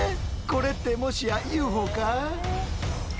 これってもしやＵＦＯか？